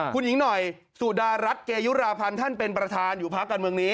คุณหญิงหน่อยสุดารัฐเกยุราพันธ์ท่านเป็นประธานอยู่พักการเมืองนี้